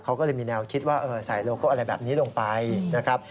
เขาก็เลยมีแนวคิดว่าใส่โลโก้อะไรแบบนี้ลงไปนะครับ